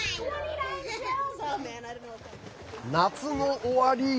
夏の終わり。